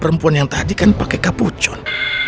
perempuan yang tadi kan pakai kapucon